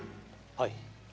はい。